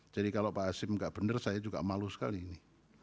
jadi kalau pak asim enggak benar saya juga malu sekali ini